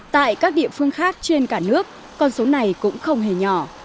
tại các địa phương khác trên cả nước con số này cũng không hề nhỏ